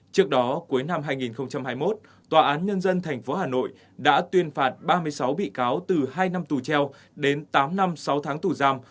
trước đó cuối năm hai nghìn hai mươi một tòa án nhân dân tp hà nội đã tuyên phạt ba mươi sáu bị cáo từ hai năm tù treo đến tám năm sáu tháng tù giam